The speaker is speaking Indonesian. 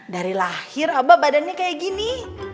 dari lahir abah badannya kayak gini